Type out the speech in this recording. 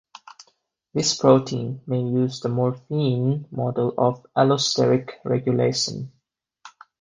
This protein may use the morpheein model of allosteric regulation.